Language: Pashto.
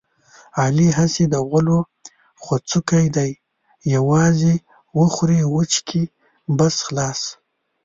علي هسې د غولو غوڅکی دی یووازې وخوري وچکي بس خلاص.